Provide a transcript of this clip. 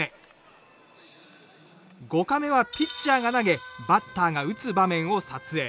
５カメは、ピッチャーが投げバッターが打つ場面を撮影。